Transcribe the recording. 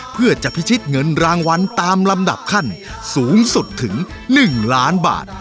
เพื่อจะพิชิตเงินรางวัลตามลำดับขั้นสูงสุดถึง๑ล้านบาท